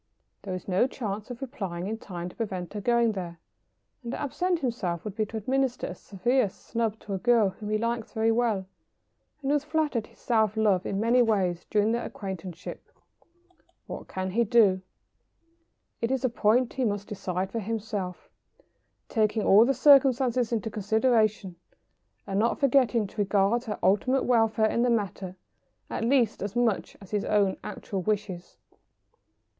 There is no chance of replying in time to prevent her going there, and to absent himself would be to administer a severe snub to a girl whom he likes very well, and who has flattered his self love in many ways during their acquaintanceship. What can he do? [Sidenote: "Her ultimate welfare."] It is a point that he must decide for himself, taking all the circumstances into consideration, and not forgetting to regard her ultimate welfare in the matter at least as much as his own actual wishes.